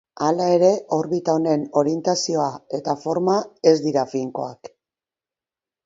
Hala ere orbita honen orientazioa eta forma ez dira finkoak.